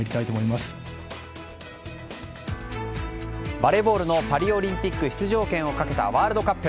バレーボールのパリオリンピック出場権をかけたワールドカップ。